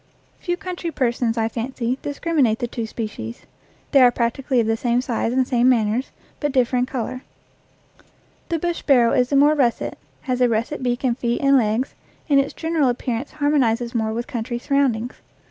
Few country persons, I fancy, discriminate the two species. They are practically of the same size and same manners, but differ in color. The bush sparrow is more russet, has a russet beak and feet and legs, and its general appearance harmonizes more with country surroundings.